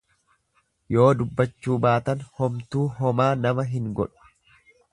Yoo dubbachuu baatan homtuu homaa nama hin godhu.